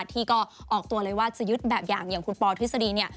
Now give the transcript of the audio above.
ที่ก็ออกตัวเลยว่าจะยึดแบบอย่างอย่างคุณปอทฤษฎีเนี่ย